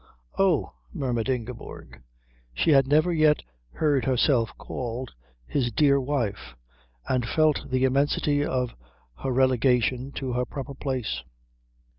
"Oh," murmured Ingeborg. She had never yet heard herself called his dear wife, and felt the immensity of her relegation to her proper place.